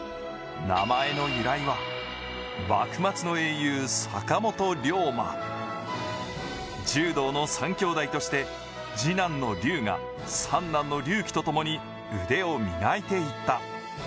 名前の由来は幕末の英雄、坂本龍馬柔道の３兄弟として、次男の龍雅、三男の龍希と共に腕を磨いていった。